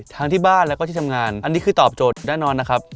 ทั้งที่บ้านแล้วก็ที่ทำงานอันนี้คือตอบโจทย์แน่นอนนะครับ